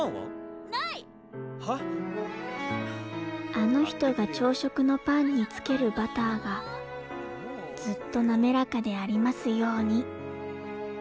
あの人が朝食のパンにつけるバターがずっと滑らかでありますように。